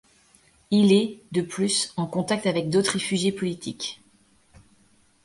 Il est, de plus, en contact avec d'autres réfugiés politiques.